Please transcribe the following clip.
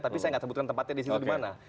tapi saya nggak sebutkan tempatnya di situ di mana